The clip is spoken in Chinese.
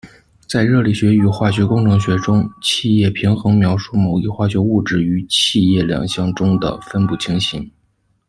在热力学与化学工程学中，气液平衡描述某一化学物质于气液两相中的分布情形。